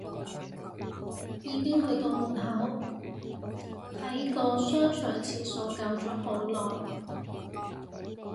已經去到門口，喺個商場廁所搞咗好耐